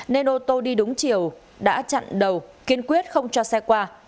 nên ô tô đi đúng chiều đã chặn đầu kiên quyết không cho xe qua